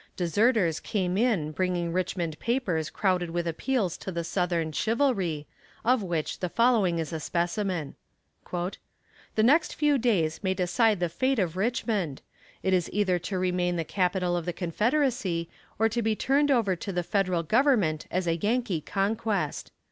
Deserters came in bringing Richmond papers crowded with appeals to the Southern "chivalry," of which the following is a specimen: "The next few days may decide the fate of Richmond. It is either to remain the Capital of the Confederacy, or to be turned over to the Federal Government as a Yankee conquest.